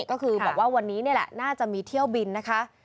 ก็คือบอกว่าวันนี้นี่แหละน่าจะมีเที่ยวบินนะคะ